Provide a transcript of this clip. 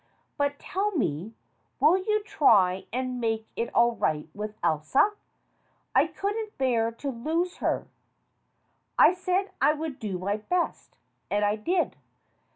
But, tell me, will you try and make it all right with Elsa? I couldn't bear to lose her." I said I would do my best, and I did.